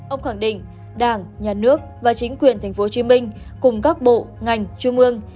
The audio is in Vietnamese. ông khẳng định đảng nhà nước và chính quyền tp hcm cùng các bộ ngành trung ương